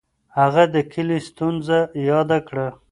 هغه د کلي ستونزه یاده کړه.